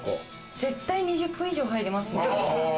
絶対２０分以上入りますね。